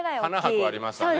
花博ありましたね昔。